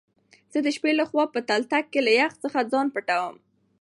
زه دشبی له خوا په تلتک کی له يخ ځخه ځان پټوم